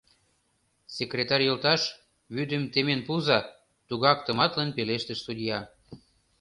— Секретарь йолташ, вӱдым темен пуыза, — тугак тыматлын пелештыш судья.